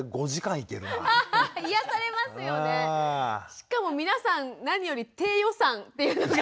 しかも皆さん何より低予算っていうのが。